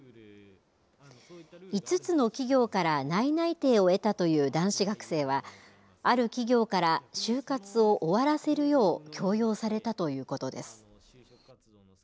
５つの企業から内々定を得たという男子学生はある企業から就活を終わらせるよう強要されたということです。